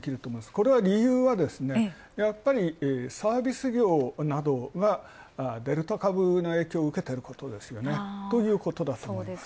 これは理由はやっぱりサービス業がデルタ株の影響を受けているということだと思います。